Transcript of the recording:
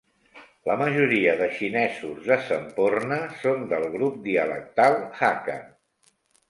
La majoria de xinesos de Semporna són del grup dialectal hakka.